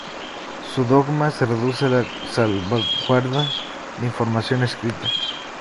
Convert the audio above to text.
Su dogma se reduce a la salvaguarda de información escrita.